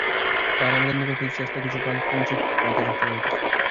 তাহারা আমাদের নিকট হইতে কিছু প্রাণশক্তি পাইতে চেষ্টা করিতেছে।